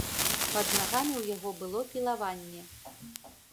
Пад нагамі ў яго было пілавінне.